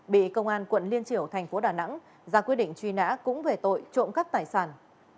bị công an quận liên triểu thành phố đà nẵng ra quyết định truy nã cũng về tội trộm cắp tài sản